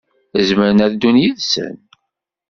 Zemren ad ddun yid-sen.